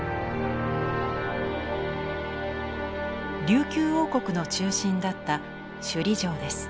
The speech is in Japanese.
琉球王国の中心だった首里城です。